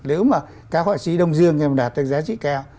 nếu mà các họa sĩ đông dương đạt được giá trị cao